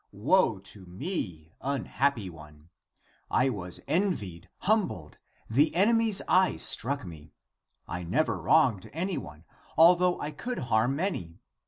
Woe to me, unhappy one! I was envied, humbled, the enemy's eye struck me. I never wronged anyone, although I could harm many.